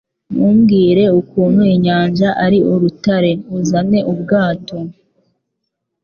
Ntumbwire ukuntu inyanja ari urutare, uzane ubwato.”